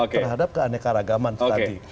terhadap keanekaragaman tadi